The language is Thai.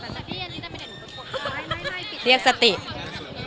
เดี๋ยวมาสะเทียนนี่น่ะไม่ได้หนูก็พอ